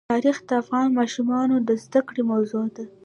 تاریخ د افغان ماشومانو د زده کړې موضوع ده.